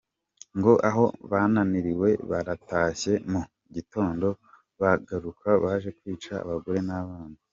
Ngo aho bananiriwe, baratashye mu gitondo bagaruka baje kwica abagore n’abana.